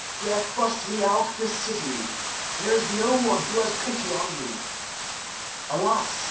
For they have thrust me out of the city, and there is no one who has pity on me.' 'Alas!